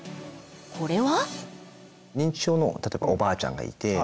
これは？